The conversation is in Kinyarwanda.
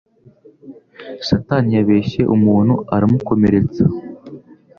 Satani yabeshye umuntu aramukomeretsa